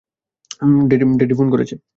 Danny phone করেছে?